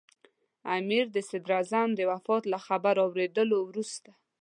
امیر د صدراعظم د وفات له خبر اورېدو وروسته.